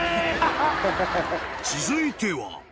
［続いては］